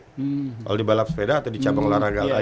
kalau di balap sepeda atau di campur olahraga